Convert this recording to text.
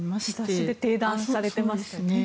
雑誌でてい談されていましたね。